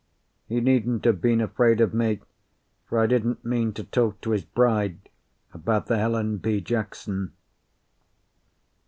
He needn't have been afraid of me, for I didn't mean to talk to his bride about the _Helen B. Jackson.